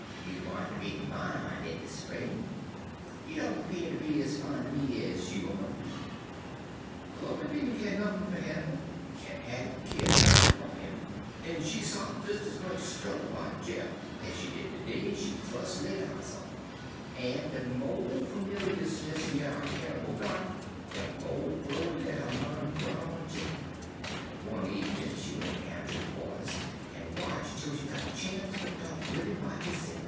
You gwine ter be mine in de spring. You doan 'pear ter be ez fon' er me ez you oughter be.' "Chloe did n' keer nuffin fer Hannibal, en had n' keered nuffin fer 'im, en she sot des ez much sto' by Jeff ez she did de day she fus' laid eyes on 'im. En de mo' fermilyus dis yer Hannibal got, de mo' Chloe let her min' run on Jeff, en one ebenin' she went down ter de qua'ters en watch', 'tel she got a chance fer ter talk wid 'im by hisse'f.